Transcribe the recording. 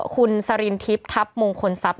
คุณศารีนทริพข์ทัพมงคลทรัพย์